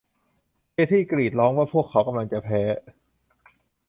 เคธี่กรีดร้องว่าพวกเขากำลังจะแพ้